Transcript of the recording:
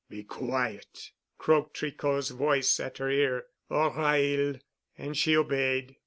"Be quiet," croaked Tricot's voice at her ear—"or I'll——" And she obeyed.